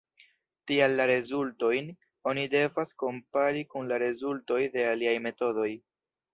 Tial la rezultojn oni devas kompari kun la rezultoj de aliaj metodoj.